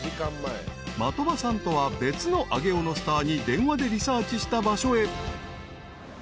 ［的場さんとは別の上尾のスターに電話でリサーチした場所へ］